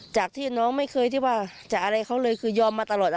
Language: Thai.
จากที่น้องไม่เคยที่ว่าจะอะไรเขาเลยคือยอมมาตลอด